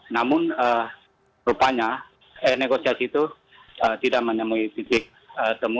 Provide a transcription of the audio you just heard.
namun rupanya negosiasi itu tidak menemui titik temu